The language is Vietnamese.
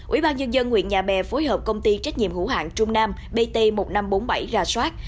ubnd huyện nhà bè phối hợp công ty trách nhiệm hữu hạng trung nam bt một nghìn năm trăm bốn mươi bảy ra soát